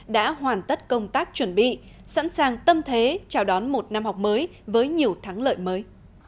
đã hoàn tất công tác chuẩn bị sẵn sàng tâm thế chào đón một năm học mới với nhiều thắng lợi mới